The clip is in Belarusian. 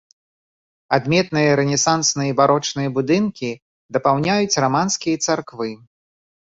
Адметныя рэнесансныя і барочныя будынкі дапаўняюць раманскія царквы.